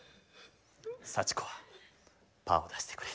さちこはパーを出してくれ。